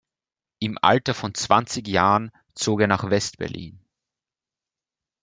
Im Alter von zwanzig Jahren zog er nach West-Berlin.